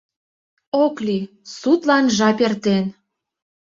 — Ок лий, судлан жап эртен.